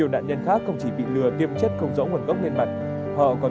đây là chỉ là thuốc tê thôi